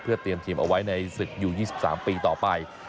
เตรียมทีมเอาไว้ในศึกอยู่๒๓ปีต่อไป